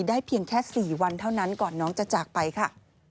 เพียงแค่๔วันเท่านั้นก่อนน้องจะจากไปค่ะ